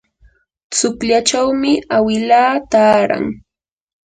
tsukllachawmi awilaa taaran.